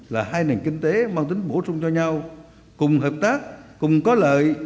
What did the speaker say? là hai nền kinh tế mang tính bổ sung cho nhau cùng hợp tác cùng có lợi